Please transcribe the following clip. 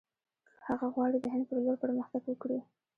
هغه غواړي د هند پر لور پرمختګ وکړي.